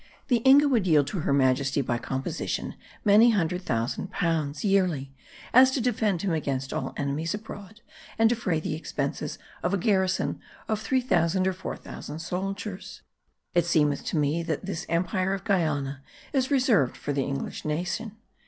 The Inga would yield to her Majesty by composition many hundred thousand pounds yearely as to defend him against all enemies abroad and defray the expenses of a garrison of 3000 or 4000 soldiers. It seemeth to me that this Empyre of Guiana is reserved for the English nation."